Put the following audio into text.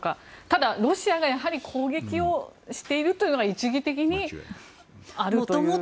ただ、ロシアがやはり攻撃をしているというのが一義的にあるという。